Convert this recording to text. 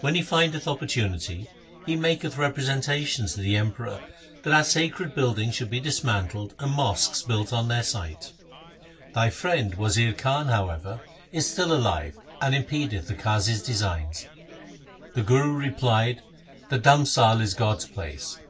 When he findeth oppor tunity he maketh representations to the Emperor that our sacred buildings should be dismantled and mosques built on their site. Thy friend Wazir Khan, SIKH. IV F 66 THE SIKH RELIGION however, is still alive and impedeth the Qazi's designs.' The Guru replied, ' The dharmsal is God's place.